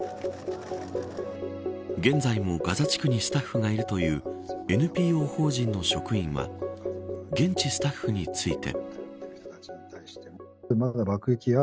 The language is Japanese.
現在もガザ地区にスタッフがいるというＮＰＯ法人の職員は現地スタッフについて。